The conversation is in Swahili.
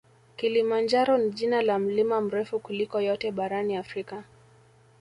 Kilimanjaro ni jina la mlima mrefu kuliko yote barani Afrika